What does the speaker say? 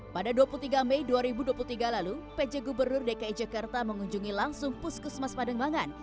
pada dua puluh tiga mei dua ribu dua puluh tiga lalu pj gubernur dki jakarta mengunjungi langsung puskesmas pademangan